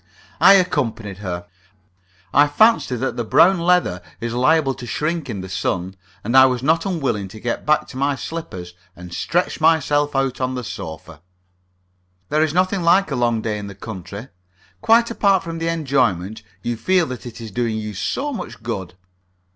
I accompanied her. I fancy that the brown leather is liable to shrink in the sun, and I was not unwilling to get back to my slippers and stretch myself out on the sofa. There is nothing like a long day in the country; quite apart from the enjoyment, you feel that it is doing you so much good.